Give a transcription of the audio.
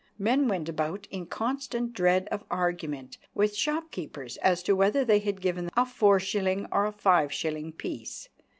Men went about in constant dread of argument with shopkeepers as to whether they had given them a four shilling or a five shilling piece.